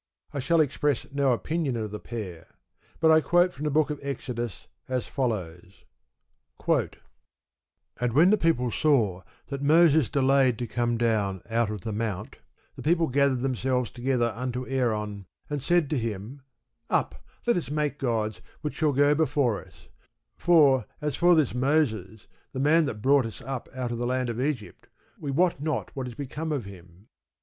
I shall express no opinion of the pair; but I quote from the Book of Exodus, as follows: And when the people saw that Moses delayed to come down out of the mount, the people gathered themselves together unto Aaron, and said unto him, Up, make us gods, which shall go before us; for as for this Moses, the man that brought us up out of the land of Egypt, we wot not what is become of him.